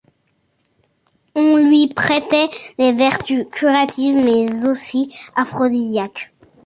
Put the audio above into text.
On lui prêtait des vertus curatives mais aussi aphrodisiaques.